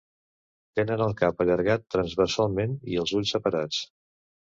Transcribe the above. Tenen el cap allargat transversalment i els ulls separats.